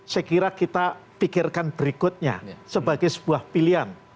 saya kira kita pikirkan berikutnya sebagai sebuah pilihan